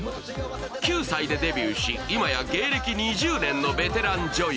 ９歳でデビューし、今や芸歴２０年のベテラン女優。